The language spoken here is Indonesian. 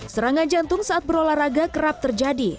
serangan jantung saat berolahraga kerap terjadi